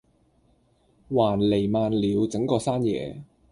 還漓漫了整個山野